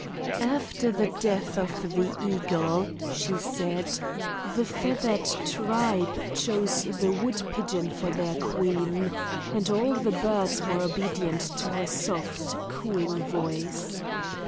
"After the death of the eagle," she said, "the feathered tribe chose the wood pigeon for their queen, and all the birds were obedient to her soft cooing voice.